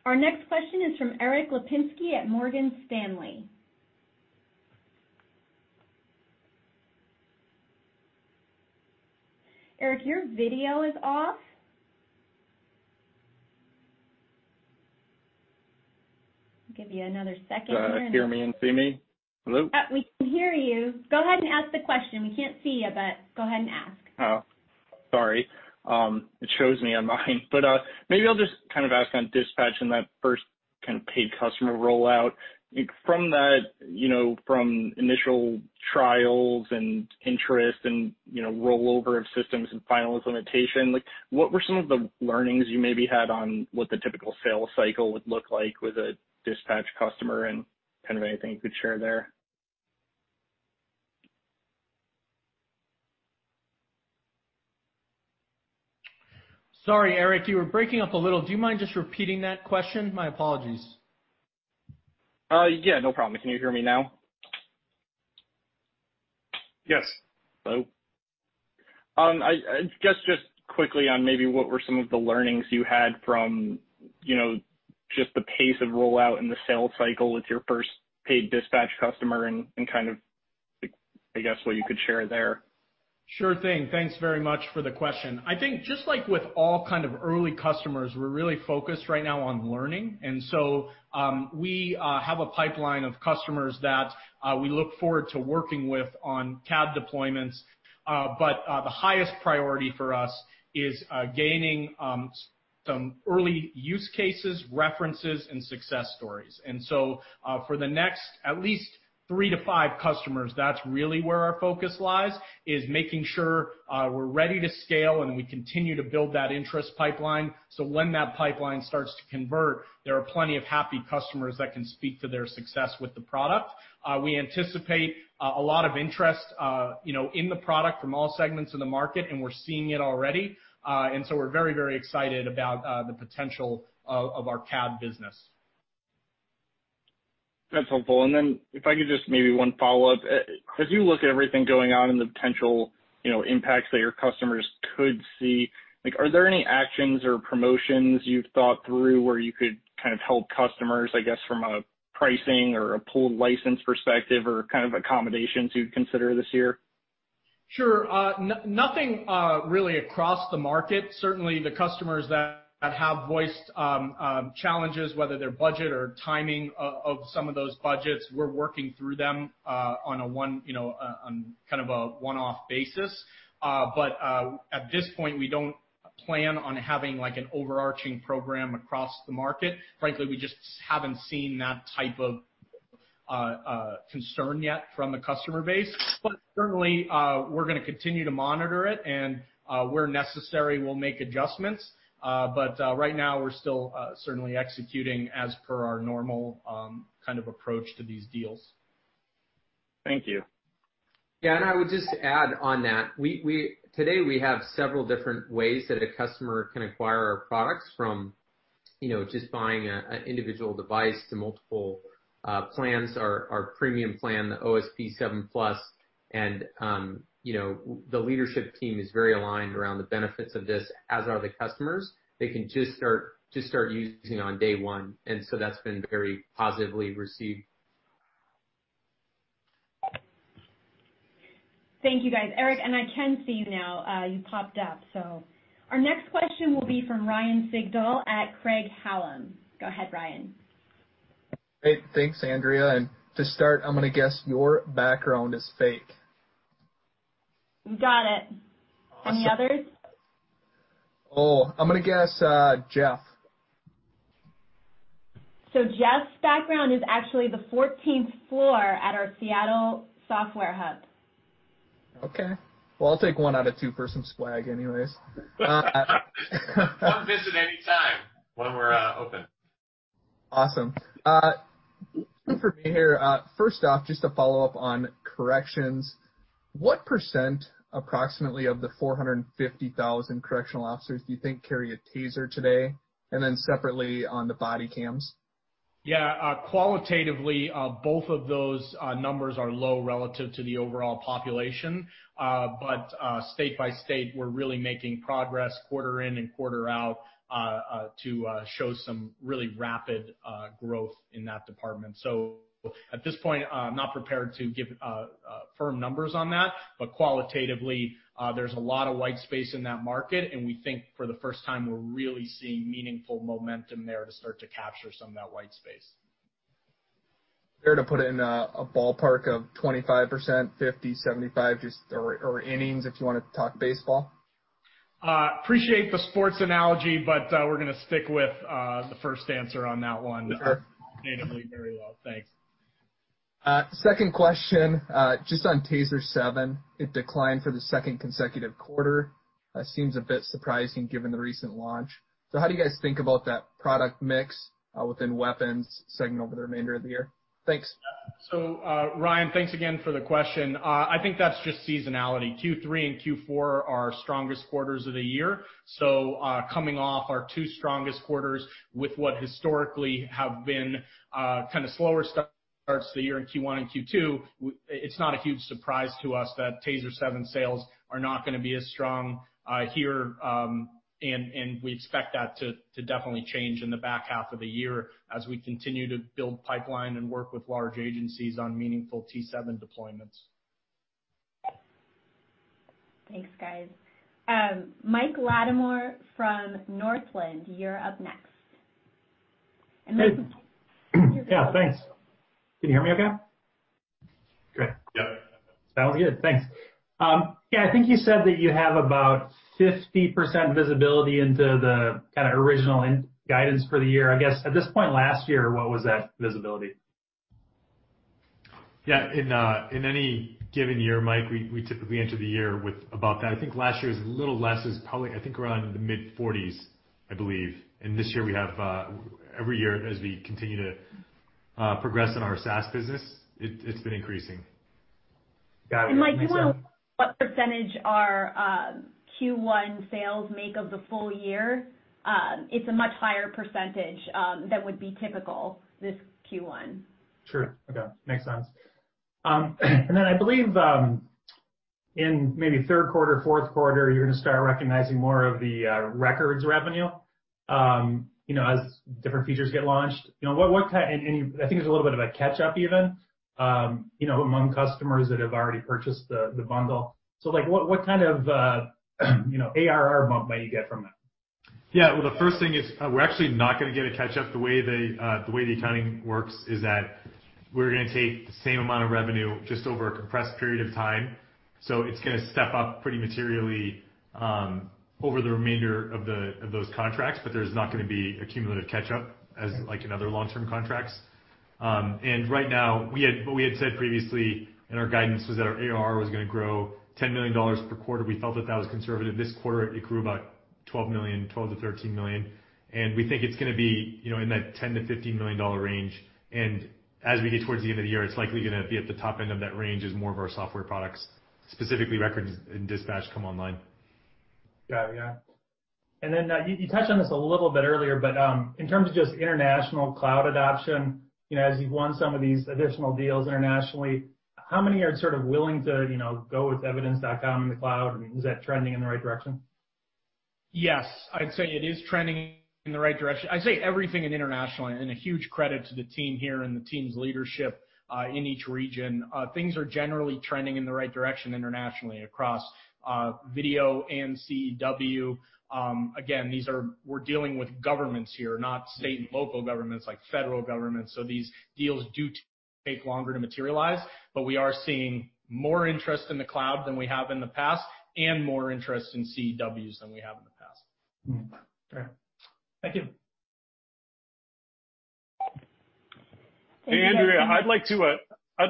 [SPEAKER 1] Our next question is from Erik Lapinski at Morgan Stanley. Erik, your video is off. I'll give you another second here.
[SPEAKER 13] Hear me and see me? Hello?
[SPEAKER 1] We can hear you. Go ahead and ask the question. We can't see you, but go ahead and ask.
[SPEAKER 13] Oh, sorry. It shows me on mine. Maybe I'll just kind of ask on dispatch and that first kind of paid customer rollout. From initial trials and interest and rollover of systems and final implementation, what were some of the learnings you maybe had on what the typical sales cycle would look like with a dispatch customer and anything you could share there?
[SPEAKER 7] Sorry, Erik, you were breaking up a little. Do you mind just repeating that question? My apologies.
[SPEAKER 13] Yeah, no problem. Can you hear me now?
[SPEAKER 7] Yes.
[SPEAKER 13] Hello. Just quickly on maybe what were some of the learnings you had from just the pace of rollout and the sales cycle with your first paid dispatch customer and I guess what you could share there?
[SPEAKER 7] Sure thing. Thanks very much for the question. I think just like with all kind of early customers, we're really focused right now on learning. We have a pipeline of customers that we look forward to working with on CAD deployments. The highest priority for us is gaining some early use cases, references, and success stories. For the next at least three to five customers, that's really where our focus lies, is making sure we're ready to scale, and we continue to build that interest pipeline, so when that pipeline starts to convert, there are plenty of happy customers that can speak to their success with the product. We anticipate a lot of interest in the product from all segments of the market, and we're seeing it already. We're very excited about the potential of our CAD business.
[SPEAKER 13] That's helpful. If I could just maybe one follow-up. As you look at everything going on and the potential impacts that your customers could see, are there any actions or promotions you've thought through where you could kind of help customers, I guess, from a pricing or a pooled license perspective or kind of accommodations you'd consider this year?
[SPEAKER 7] Sure. Nothing really across the market. Certainly, the customers that have voiced challenges, whether they're budget or timing of some of those budgets, we're working through them on kind of a one-off basis. At this point, we don't plan on having an overarching program across the market. Frankly, we just haven't seen that type of concern yet from the customer base. Certainly, we're going to continue to monitor it, and where necessary, we'll make adjustments. Right now, we're still certainly executing as per our normal kind of approach to these deals.
[SPEAKER 13] Thank you.
[SPEAKER 4] Yeah, I would just add on that. Today, we have several different ways that a customer can acquire our products from just buying an individual device to multiple plans, our premium plan, the OSP7+. The leadership team is very aligned around the benefits of this, as are the customers. They can just start using on day one, and so that's been very positively received.
[SPEAKER 1] Thank you, guys. Erik Lapinski, and I can see you now. You popped up. Our next question will be from Ryan Sigdahl at Craig-Hallum. Go ahead, Ryan.
[SPEAKER 14] Great. Thanks, Andrea. To start, I'm going to guess your background is fake.
[SPEAKER 1] You got it. Any others?
[SPEAKER 14] Oh, I'm going to guess Jeff.
[SPEAKER 1] Jeff's background is actually the 14th floor at our Seattle software hub.
[SPEAKER 14] Okay. Well, I'll take one out of two for some swag anyways.
[SPEAKER 4] Come visit anytime when we're open.
[SPEAKER 14] Awesome. For me here, first off, just to follow up on corrections, what percent approximately of the 450,000 correctional officers do you think carry a TASER today, and then separately on the body cams?
[SPEAKER 7] Yeah. Qualitatively, both of those numbers are low relative to the overall population. State by state, we're really making progress quarter in and quarter out to show some really rapid growth in that department. At this point, I'm not prepared to give firm numbers on that. Qualitatively, there's a lot of white space in that market, and we think for the first time, we're really seeing meaningful momentum there to start to capture some of that white space.
[SPEAKER 14] Fair to put in a ballpark of 25%, 50, 75, or innings if you want to talk baseball?
[SPEAKER 7] Appreciate the sports analogy, but we're going to stick with the first answer on that one.
[SPEAKER 14] Sure.
[SPEAKER 7] Qualitatively very well. Thanks.
[SPEAKER 14] Second question, just on TASER 7, it declined for the second consecutive quarter. Seems a bit surprising given the recent launch. How do you guys think about that product mix within weapons segment over the remainder of the year? Thanks.
[SPEAKER 7] Ryan, thanks again for the question. I think that's just seasonality. Q3 and Q4 are our strongest quarters of the year. Coming off our two strongest quarters with what historically have been kind of slower starts to the year in Q1 and Q2, it's not a huge surprise to us that TASER 7 sales are not going to be as strong here. We expect that to definitely change in the back half of the year as we continue to build pipeline and work with large agencies on meaningful T7 deployments.
[SPEAKER 1] Thanks, guys. Mike Latimore from Northland, you're up next.
[SPEAKER 15] Yeah, thanks. Can you hear me okay? Great.
[SPEAKER 4] Yep.
[SPEAKER 15] Sounds good. Thanks. Yeah, I think you said that you have about 50% visibility into the kind of original guidance for the year. I guess at this point last year, what was that visibility?
[SPEAKER 4] Yeah. In any given year, Mike, we typically enter the year with about that. I think last year's a little less. It was probably, I think, around the mid 40s, I believe. every year, as we continue to progress in our SaaS business, it's been increasing.
[SPEAKER 15] Got it.
[SPEAKER 1] Mike, you know what percentage our Q1 sales make of the full year? It's a much higher percentage than would be typical this Q1.
[SPEAKER 15] True. Okay. Makes sense. I believe, in maybe third quarter, fourth quarter, you're going to start recognizing more of the records revenue as different features get launched. I think there's a little bit of a catch-up even among customers that have already purchased the bundle. What kind of, ARR bump might you get from that?
[SPEAKER 4] Yeah. Well, the first thing is we're actually not going to get a catch-up. The way the accounting works is that we're going to take the same amount of revenue just over a compressed period of time. It's going to step up pretty materially over the remainder of those contracts, but there's not going to be a cumulative catch-up as like in other long-term contracts. Right now, what we had said previously in our guidance was that our ARR was going to grow $10 million per quarter. We felt that was conservative. This quarter, it grew about $12 million, $12million -$13 million, and we think it's going to be in that $10million- $15 million range, and as we get towards the end of the year, it's likely going to be at the top end of that range as more of our software products, specifically Records and Dispatch, come online.
[SPEAKER 15] Got it, yeah. You touched on this a little bit earlier, but in terms of just international cloud adoption, as you've won some of these additional deals internationally, how many are sort of willing to go with evidence.com in the cloud? I mean, is that trending in the right direction?
[SPEAKER 7] Yes. I'd say it is trending in the right direction. I'd say everything in international, and a huge credit to the team here and the team's leadership, in each region. Things are generally trending in the right direction internationally across video and CEW. Again, we're dealing with governments here, not state and local governments, like federal governments, so these deals do take longer to materialize, but we are seeing more interest in the cloud than we have in the past, and more interest in CEWs than we have in the past.
[SPEAKER 15] Mm-hmm. Okay. Thank you.
[SPEAKER 1] Thank you
[SPEAKER 2] Hey, Andrea. I'd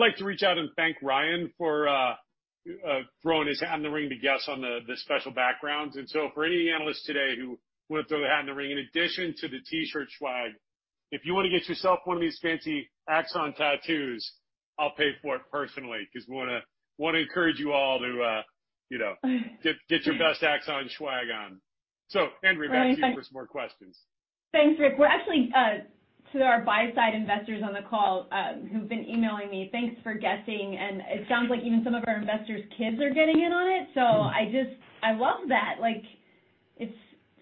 [SPEAKER 2] like to reach out and thank Ryan for throwing his hat in the ring to guess on the special backgrounds. For any analyst today who want to throw their hat in the ring, in addition to the T-shirt swag, if you want to get yourself one of these fancy Axon tattoos, I'll pay for it personally because we want to encourage you all to get your best Axon swag on. Andrea, back to you for some more questions.
[SPEAKER 1] Thanks, Rick. To our buy-side investors on the call who've been emailing me, thanks for guessing, and it sounds like even some of our investors' kids are getting in on it. I love that. It's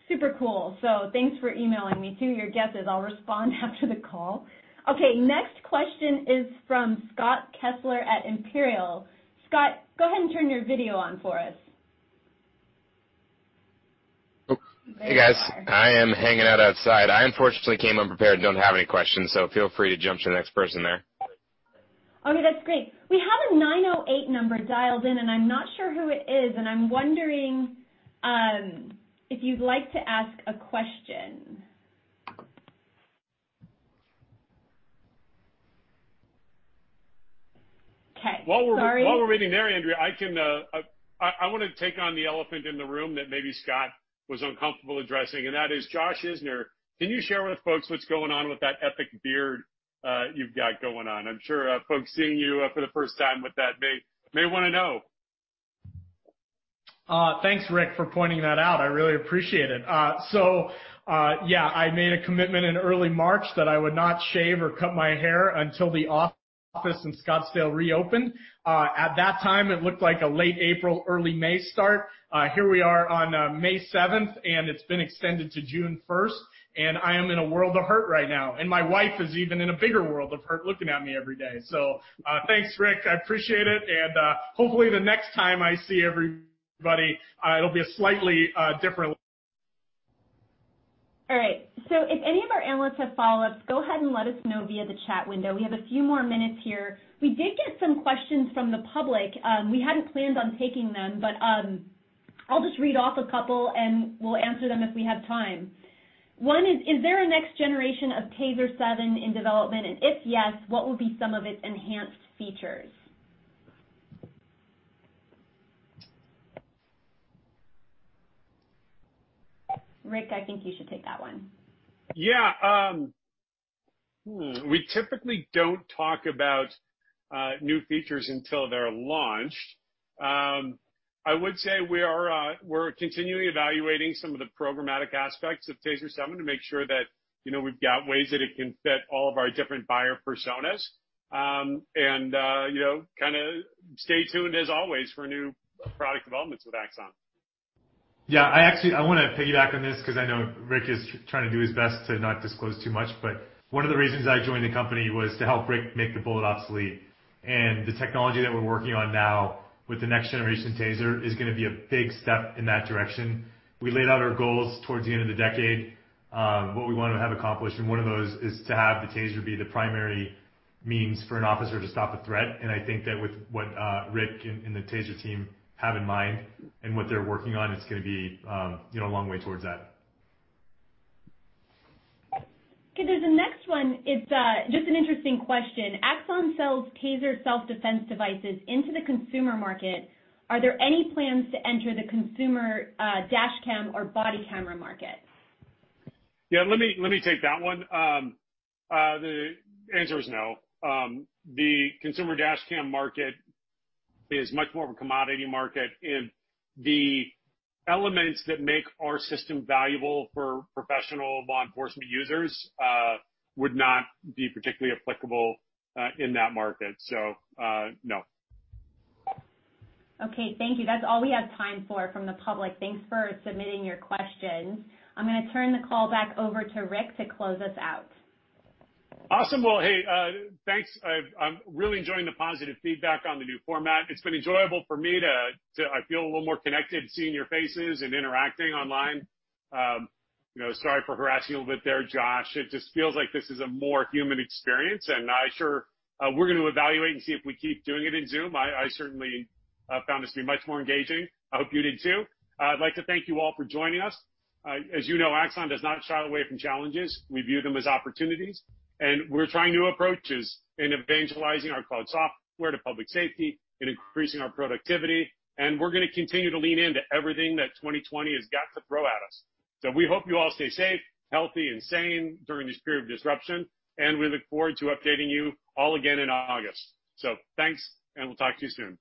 [SPEAKER 1] super cool. Thanks for emailing me too, your guesses. I'll respond after the call. Okay, next question is from Scott Kessler at Imperial. Scott, go ahead and turn your video on for us. There you are.
[SPEAKER 16] Hey, guys. I am hanging out outside. I, unfortunately, came unprepared and don't have any questions, so feel free to jump to the next person there.
[SPEAKER 1] Okay, that's great. We have a 908 number dialed in, and I'm not sure who it is, and I'm wondering if you'd like to ask a question. Okay, sorry.
[SPEAKER 2] While we're waiting there, Andrea, I want to take on the elephant in the room that maybe Scott was uncomfortable addressing, and that is Josh Isner. Can you share with folks what's going on with that epic beard you've got going on? I'm sure folks seeing you for the first time with that may want to know.
[SPEAKER 7] Thanks, Rick, for pointing that out. I really appreciate it. Yeah, I made a commitment in early March that I would not shave or cut my hair until the office in Scottsdale reopened. At that time, it looked like a late April, early May start. Here we are on May 7th, and it's been extended to June 1st, and I am in a world of hurt right now. My wife is even in a bigger world of hurt looking at me every day. Thanks, Rick. I appreciate it. Hopefully, the next time I see everybody, it'll be a slightly different look.
[SPEAKER 1] All right. If any of our analysts have follow-ups, go ahead and let us know via the chat window. We have a few more minutes here. We did get some questions from the public. We hadn't planned on taking them, but I'll just read off a couple, and we'll answer them if we have time. One is: Is there a next generation of TASER 7 in development, and if yes, what will be some of its enhanced features? Rick, I think you should take that one.
[SPEAKER 2] Yeah. We typically don't talk about new features until they're launched. I would say we're continually evaluating some of the programmatic aspects of TASER 7 to make sure that we've got ways that it can fit all of our different buyer personas. Stay tuned as always for new product developments with Axon.
[SPEAKER 4] Yeah. I want to piggyback on this because I know Rick is trying to do his best to not disclose too much, but one of the reasons I joined the company was to help Rick make the Bullet obsolete. The technology that we're working on now with the next generation TASER is going to be a big step in that direction. We laid out our goals towards the end of the decade, what we want to have accomplished, and one of those is to have the TASER be the primary means for an officer to stop a threat. I think that with what Rick and the TASER team have in mind and what they're working on, it's going to be a long way towards that.
[SPEAKER 1] Okay. There's a next one. It's just an interesting question. Axon sells TASER self-defense devices into the consumer market. Are there any plans to enter the consumer dashcam or body camera market?
[SPEAKER 2] Yeah, let me take that one. The answer is no. The consumer dashcam market is much more of a commodity market, and the elements that make our system valuable for professional law enforcement users would not be particularly applicable in that market. no.
[SPEAKER 1] Okay, thank you. That's all we have time for from the public. Thanks for submitting your questions. I'm going to turn the call back over to Rick to close us out.
[SPEAKER 2] Awesome. Well, hey, thanks. I'm really enjoying the positive feedback on the new format. It's been enjoyable for me. I feel a little more connected seeing your faces and interacting online. Sorry for harassing you a little bit there, Josh. It just feels like this is a more human experience, and we're going to evaluate and see if we keep doing it in Zoom. I certainly found this to be much more engaging. I hope you did too. I'd like to thank you all for joining us. As you know, Axon does not shy away from challenges. We view them as opportunities, and we're trying new approaches in evangelizing our cloud software to public safety and increasing our productivity, and we're going to continue to lean into everything that 2020 has got to throw at us. We hope you all stay safe, healthy, and sane during this period of disruption, and we look forward to updating you all again in August. Thanks, and we'll talk to you soon.